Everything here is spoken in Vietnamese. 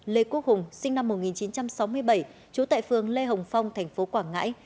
lê quốc hùng sinh năm một nghìn chín trăm sáu mươi bảy trú tại phường lê hồng phong tp quảng ngãi